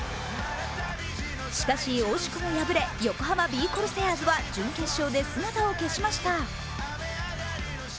しかし惜しくも敗れ横浜ビー・コルセアーズは準決勝で姿を消しました。